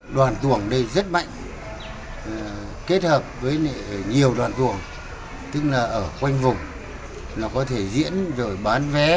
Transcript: đoàn tuồng đây rất mạnh kết hợp với nhiều đoàn tuồng tức là ở quanh vùng nó có thể diễn rồi bán vé